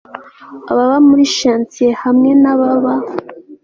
ababa muri shanties hamwe nababa